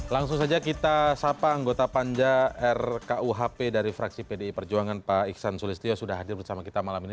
langsung saja kita sapa anggota panja rkuhp dari fraksi pdi perjuangan pak iksan sulistyo sudah hadir bersama kita malam ini